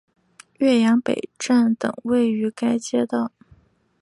岳阳北站等位于该街道。